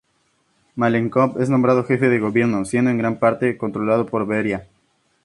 Malenkov es nombrado jefe de gobierno, siendo en gran parte controlado por Beria.